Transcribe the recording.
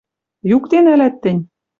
Юкде нӓлӓт тӹнь?